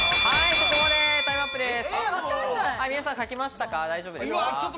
ここまでです、タイムアップです。